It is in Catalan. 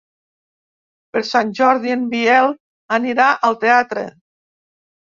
Per Sant Jordi en Biel anirà al teatre.